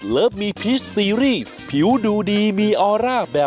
เดี๋ยวกลับมา